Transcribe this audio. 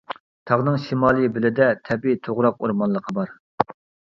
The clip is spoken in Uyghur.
تاغنىڭ شىمالىي بېلىدە تەبىئىي توغراق ئورمانلىقى بار.